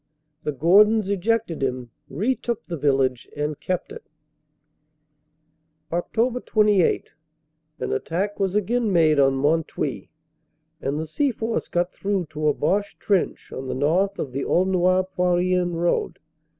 The Gordons ejected him, retook the village, and kept it. "Oct. 28 An attack was again made on Mont Houy, and the Seaforths got through to a Boche trench on the north of the Aulnoy Poirien road.